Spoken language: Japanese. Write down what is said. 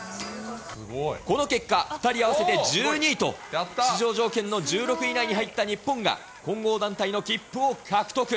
この結果、２人合わせて１２位と、出場条件の１６位以内に入った日本が、混合団体の切符を獲得。